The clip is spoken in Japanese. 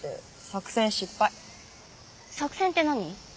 作戦って何？